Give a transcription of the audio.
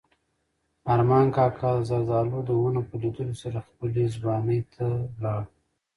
ارمان کاکا د زردالو د ونو په لیدلو سره خپلې ځوانۍ ته لاړ.